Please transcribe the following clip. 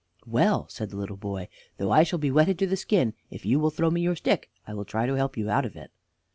"Well," said the little boy, "though I shall be wetted to the skin, if you will throw me your stick, I will try to help you out of it."